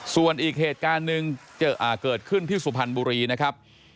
ส่วนอีกเหตุการณ์หนึ่งเกิดขึ้นที่สุพรรณบุรีนะครับ